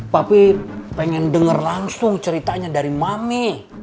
papi pengen denger langsung ceritanya dari mami